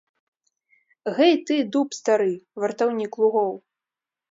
Гэй ты, дуб стары, вартаўнік лугоў!